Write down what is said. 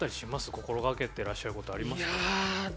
心がけてらっしゃることあります？